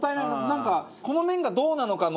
なんかこの麺がどうなのか？